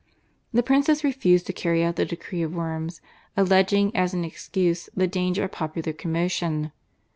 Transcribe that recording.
The princes refused to carry out the decree of Worms, alleging as an excuse the danger of popular commotion.